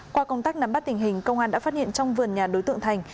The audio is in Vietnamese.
qua công tác nắm bắt tình hình công an đã phát hiện trong vườn nhà đối tượng thành